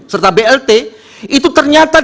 serta blt itu ternyata